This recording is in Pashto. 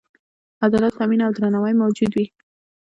عدالت تأمین او درناوی موجود وي.